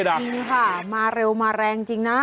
จริงค่ะมาเร็วมาแรงจริงนะ